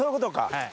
はい。